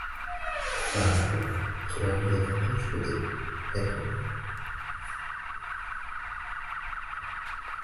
Ha, u “Qirol yalang‘och ku” deb hayqirdi.